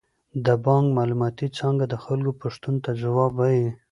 د بانک معلوماتي څانګه د خلکو پوښتنو ته ځواب وايي.